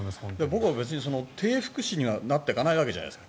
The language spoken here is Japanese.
低福祉にはなっていかないわけじゃないですか。